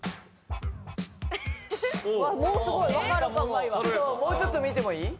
もうすごい分かるかもちょっともうちょっと見てもいい？